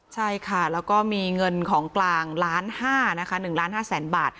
ใช่ค่ะแล้วก็มีเงินของกลางล้านห้านะคะ๑ล้าน๕แสนบาท